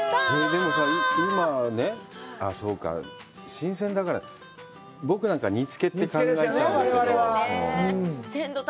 でも今、ああ、そうか、新鮮だから、僕なんか、煮つけって考えちゃうんだけど。